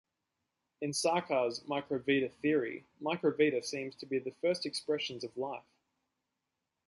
In Sarkar's "microvita theory" "microvita" seems to be the first expressions of life.